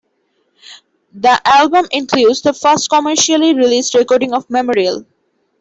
The album includes the first commercially released recording of "Memorial".